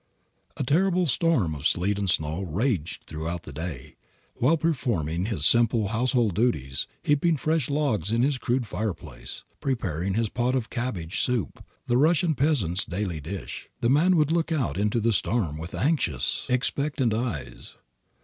A terrible storm of sleet and snow raged throughout the day. While performing his simple household duties, heaping fresh logs in his crude fireplace, preparing his pot of cabbage soup, the Russian peasant's daily dish, the man would look out into the storm with anxious, expectant eyes.